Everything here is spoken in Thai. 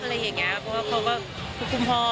อะไรอย่างนี้เพราะว่าเขาก็คุกกับพ่อ